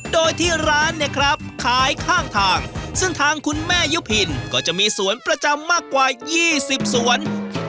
โดยที่ร้านเนี่ยครับขายข้างทางซึ่งทางคุณแม่ยุพินก็จะมีสวนประจำมากกว่า๒๐สวน